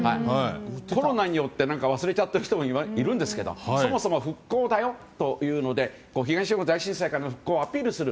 コロナによって忘れちゃってる人もいるんですけどそもそも復興だよというので東日本大震災からの復興をアピールする。